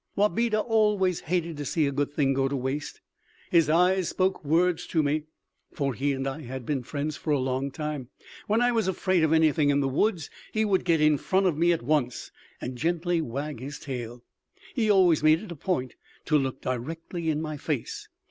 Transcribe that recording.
Wabeda always hated to see a good thing go to waste. His eyes spoke words to me, for he and I had been friends for a long time. When I was afraid of anything in the woods, he would get in front of me at once and gently wag his tail. He always made it a point to look directly in my face.